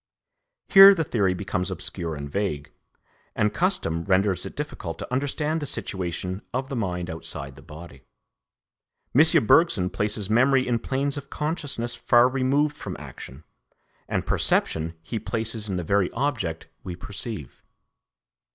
Here the theory becomes obscure and vague, and custom renders it difficult to understand the situation of the mind outside the body. M. Bergson places memory in planes of consciousness far removed from action, and perception he places in the very object we perceive.